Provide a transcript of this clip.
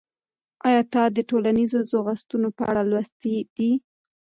آیا تا د ټولنیزو خوځښتونو په اړه لوستي دي؟